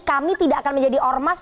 kami tidak akan menjadi ormas